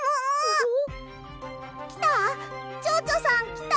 きた？